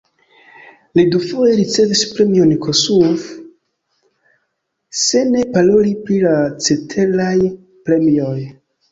Li dufoje ricevis premion Kossuth, se ne paroli pri la ceteraj premioj.